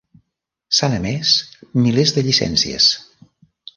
S'han emès milers de "llicències".